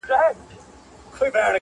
پکار دی خواخوږي ورسره وسي